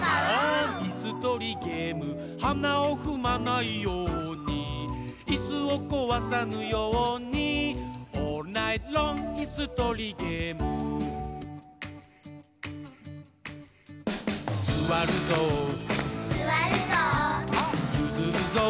いすとりゲーム」「はなをふまないように」「いすをこわさぬように」「オールナイトロングいすとりゲーム」「すわるぞう」「ゆずるぞう」